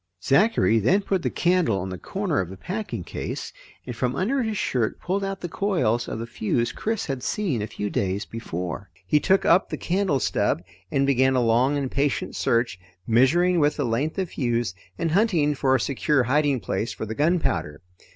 Zachary then put the candle on the corner of a packing case and from under his shirt pulled out the coils of the fuse Chris had seen a few days before. He took up the candle stub and began a long and patient search, measuring with the length of fuse, and hunting for a secure hiding place for the gunpowder.